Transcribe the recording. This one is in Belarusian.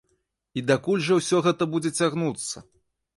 І дакуль жа ўсё гэта будзе цягнуцца?